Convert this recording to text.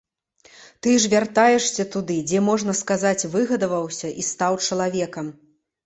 Ты ж вяртаешся туды, дзе, можна сказаць, выгадаваўся і стаў чалавекам.